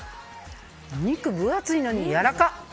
肉、分厚いのにやらかっ！